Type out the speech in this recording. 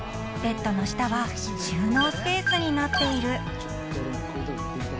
［ベッドの下は収納スペースになっている］